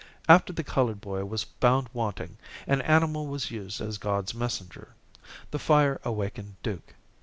After the colored boy was found wanting, an animal was used as God's messenger. The fire awakened Duke.